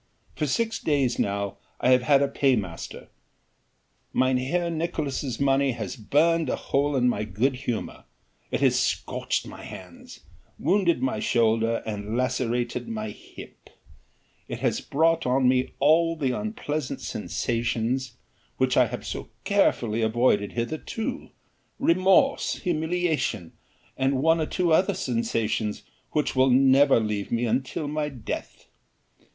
For six days now I have had a paymaster: Mynheer Nicolaes' money has burned a hole in my good humour, it has scorched my hands, wounded my shoulder and lacerated my hip, it has brought on me all the unpleasant sensations which I have so carefully avoided hitherto, remorse, humiliation, and one or two other sensations which will never leave me until my death.